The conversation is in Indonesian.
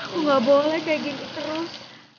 aku nggak boleh kayak gini terus